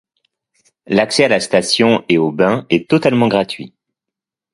L'accès à la station et au bain est totalement gratuit.